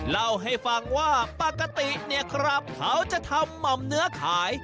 เล่าให้ฟังว่าปกติเนี่ยครับเขาจะทำหม่อมเนื้อขาย